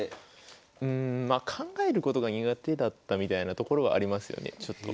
まあ考えることが苦手だったみたいなところはありますよねちょっと。